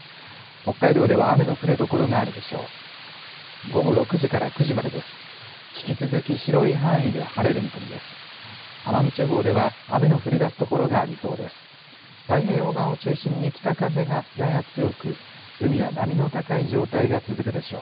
北海道では雨の降る所があるでしょう。